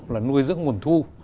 là nuôi dưỡng nguồn thu